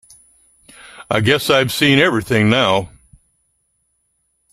I guess I've seen everything now.